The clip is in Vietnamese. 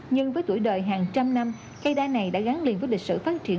nhưng với tuổi đời hàng trăm năm cây đa này đã gắn liền với lịch sử phát triển